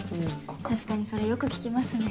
確かにそれよく聞きますね。